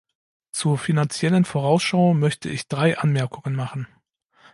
Zur Finanziellen Vorausschau möchte ich drei Anmerkungen machen.